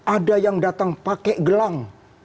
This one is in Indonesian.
ada yang datang pakai gelang